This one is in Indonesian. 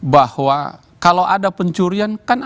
bahwa kalau ada pencurian kan ada tkp nya